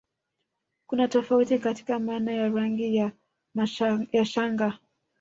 Kuna tofauti katika maana ya rangi ya shanga